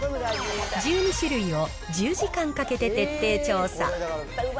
１２種類を１０時間かけて徹底調査。